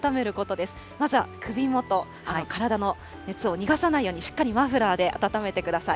まずは首元、体の熱を逃がさないように、しっかりマフラーであたためてください。